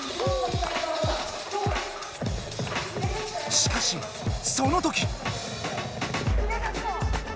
しかしそのとき。